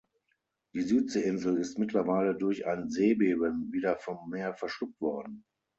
Die Südseeinsel ist mittlerweile durch ein Seebeben wieder vom Meer verschluckt worden.